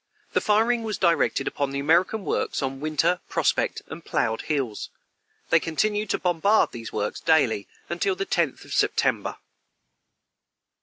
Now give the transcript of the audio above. The firing was directed upon the American works on Winter, Prospect, and Ploughed hills. They continued to bombard these works daily until the 10th of September.